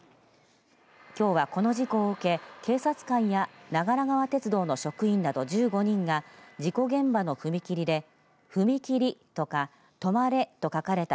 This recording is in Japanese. きょうは、この事故を受け警察官や長良川鉄道の職員など１５人が事故現場の踏切で